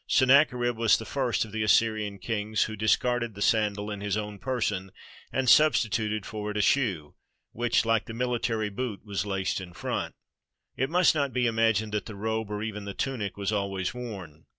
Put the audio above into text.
Sennacherib was the first of the Assyrian kings who discarded the sandal in his own person and substituted for it a shoe, which like the military boot was laced in front. It must not be imagined that the robe or even the tunic was always worn.